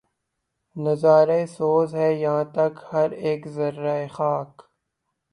نظارہ سوز ہے یاں تک ہر ایک ذرّۂ خاک